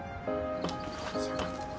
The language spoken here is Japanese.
よいしょ。